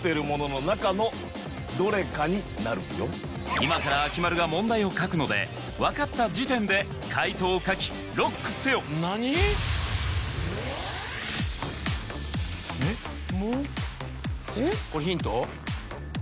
今からＡＫＩ−ＭＡＲＵが問題を書くので分かった時点で解答を書きロックせよこれヒント？